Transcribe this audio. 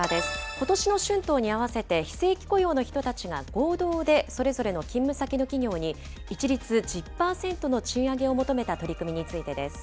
ことしの春闘にあわせて非正規雇用の人たちが合同でそれぞれの勤務先の企業に、一律１０％の賃上げを求めた取り組みについてです。